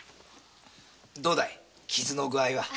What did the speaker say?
どうだい傷の具合は？